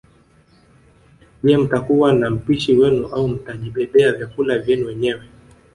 Je mtakuwa na mpishi wenu au mtajibebea vyakula vyenu wenyewe